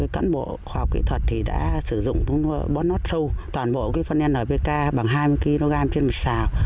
cảnh bộ khoa học kỹ thuật đã sử dụng bón nốt sâu toàn bộ phân npk bằng hai mươi kg trên một xào